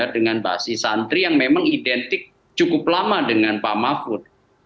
dengan basi santri yang memang identik cukup lama dengan pak mahfud